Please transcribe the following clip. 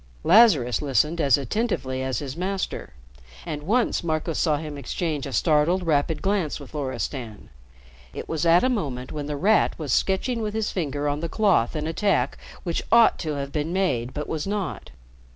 Lazarus listened as attentively as his master, and once Marco saw him exchange a startled, rapid glance with Loristan. It was at a moment when The Rat was sketching with his finger on the cloth an attack which ought to have been made but was not.